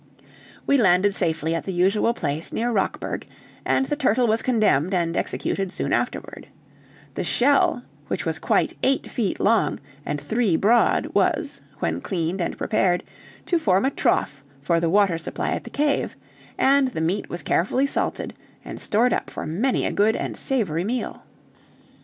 We landed safely at the usual place, near Rockburg, and the turtle was condemned and executed soon afterward; the shell, which was quite eight feet long, and three broad, was, when cleaned and prepared, to form a trough for the water supply at the cave, and the meat was carefully salted, and stored up for many a good and savory meal.